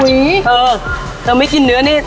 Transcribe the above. เออถ้าไม่กินเนื้อนี้